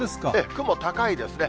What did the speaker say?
雲、高いですね。